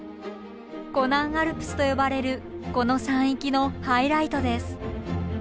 湖南アルプスと呼ばれるこの山域のハイライトです。